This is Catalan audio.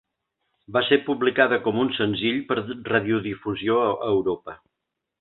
Va ser publicada com un senzill per radiodifusió a Europa.